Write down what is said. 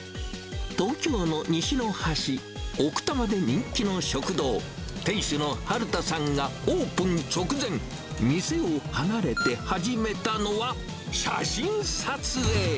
東京の西の端、奥多摩で人気の食堂、店主の春田さんがオープン直前、店を離れて始めたのは写真撮影。